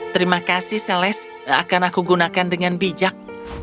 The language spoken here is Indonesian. terima kasih sales akan aku gunakan dengan bijak